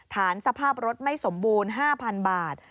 สภาพรถไม่สมบูรณ์๕๐๐๐บาท